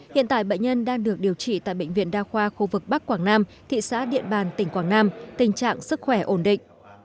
hiện tại bệnh nhân đang được điều trị tại bệnh viện đa khoa khu vực bắc quảng nam thị xã điện bàn tỉnh quảng nam tình trạng sức khỏe ổn định